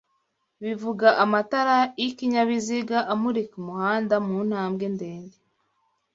bivuga amatara y'ikinyabiziga amurika umuhanda mu ntambwe ndende